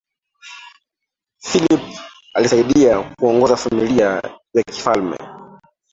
philip alisaidia kuongoza familia ya kifalme